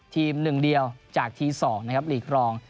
๑เดียวจากที๒นะครับหลีกรอง